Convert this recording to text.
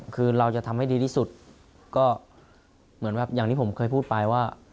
คือเราจะทำให้ดีที่สุดก็เหมือนแบบอย่างที่ผมเคยพูดไปว่า